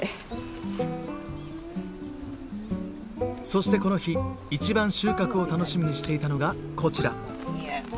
そしてこの日一番収穫を楽しみにしていたのがこちら。